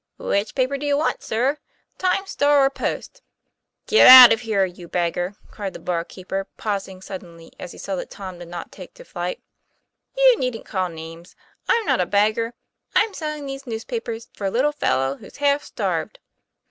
" Which paper do you want, sir ? Times Star or Post?" 'Get out of here, you beggar," cried the bar keeper, pausing suddenly as he saw that Tom did not take to flight. ' You needn't call names: I'm not a beggar. I'm selling these newspapers for a little fellow who's half starved."